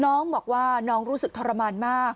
น้องบอกว่าน้องรู้สึกทรมานมาก